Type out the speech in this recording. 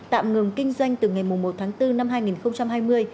tạm ngừng kinh doanh từ ngày một tháng bốn năm hai nghìn hai mươi